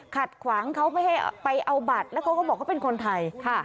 ขัดขวางเขาไม่ให้ไปเอาบัตรแล้วเขาก็บอกเขาเป็นคนไทยค่ะ